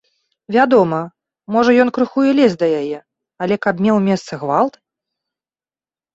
Вядома, можа, ён крыху і лез да яе, але каб меў месца гвалт?